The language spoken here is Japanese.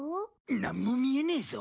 なんも見えねえぞ。